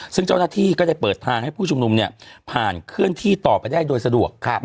ซึ่งเจ้าหน้าที่ก็ได้เปิดทางให้ผู้ชุมนุมผ่านเคลื่อนที่ต่อไปได้โดยสะดวก